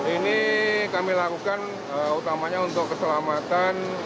ini kami lakukan utamanya untuk keselamatan